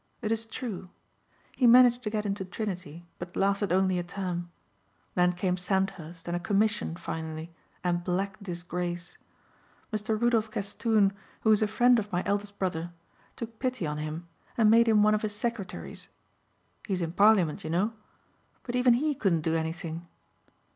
It is true. He managed to get into Trinity but lasted only a term. Then came Sandhurst and a commission finally and black disgrace. Mr. Rudolph Castoon who is a friend of my eldest brother took pity on him and made him one of his secretaries he's in Parliament you know but even he couldn't do anything.